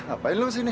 apaan lu sih ini